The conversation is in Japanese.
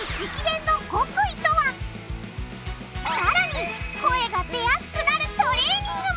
さらに声が出やすくなるトレーニングも！